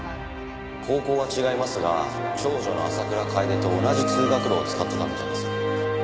高校は違いますが長女の浅倉楓と同じ通学路を使ってたみたいです。